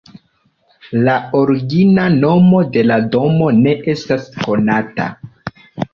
La origina nomo de la domo ne estas konata.